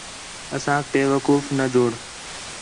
اَسانک بیوقوف نہ بوڑ